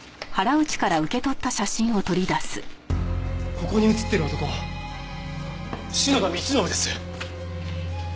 ここに写ってる男篠田道信です！